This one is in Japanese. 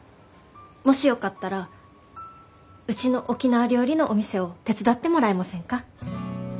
もしよかったらうちの沖縄料理のお店を手伝ってもらえませんか？